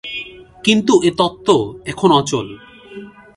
কিন্তু এ তত্ত্ব এখন অচল।